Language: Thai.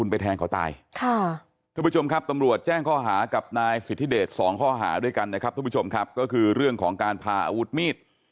ได้ควิววิทยาแคนด้องไม่ไพรและรบรอบด้วย